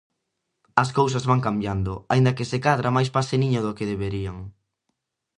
As cousas van cambiando, aínda que se cadra máis paseniño do que deberían.